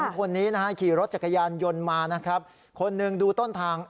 ๒คนนี้ขี่รถจักรยานยนต์มาคนหนึ่งดูต้นทาง